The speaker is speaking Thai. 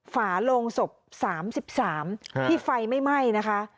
ฝาโลงศพ๓๓ที่ไฟไม่ไหม้นะคะ